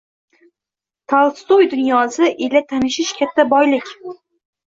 Tolstoy dunyosi ila tanishish katta boylik.